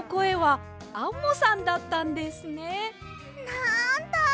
なんだ！